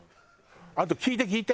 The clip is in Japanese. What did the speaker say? あと聞いて聞いて！